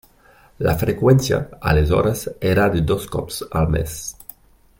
La freqüència aleshores era de dos cops al mes.